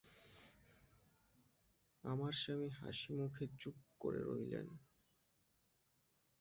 আমার স্বামী হাসিমুখে চুপ করে রইলেন।